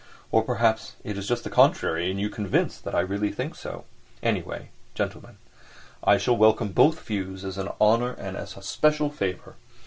Or perhaps it's just the contrary and you are convinced that I really think so. Anyway, gentlemen, I shall welcome both views as an honour and a special favour.